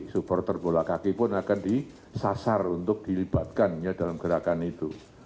supporter bola kaki pun akan disasar untuk dilibatkan ya dalam gerakan itu